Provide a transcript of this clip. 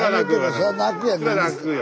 そりゃ泣くよ。